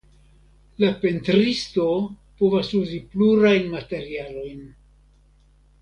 La pentristo povas uzi plurajn materialojn.